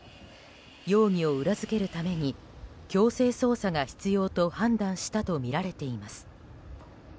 容疑を裏付けるために強制捜査が必要と判断したとみられています。